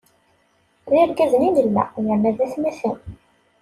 D irgazen i nella, yerna d atmaten.